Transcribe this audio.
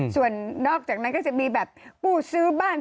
ส่วนนอกจากนั้นก็จะมีแบบผู้ซื้อบ้าน